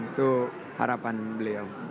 itu harapan beliau